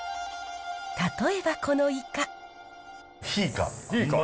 例えばこのイカ。